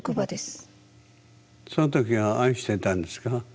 その時は愛してたんですか？